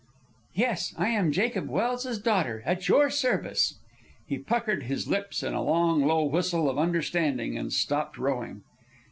"Yes; I am Jacob Welse's daughter, at your service." He puckered his lips in a long low whistle of understanding and stopped rowing.